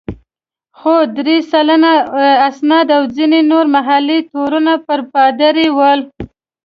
خو درې سلنه اسناد او ځینې نور محلي تورونه پر پادري ول.